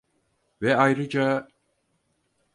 Ve ayrıca…